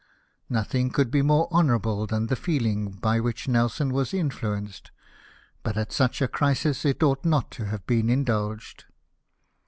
Nothing could be more honourable than the feeling by which Nelson was influenced, but, at such a crisis, it ought not to have been indulged.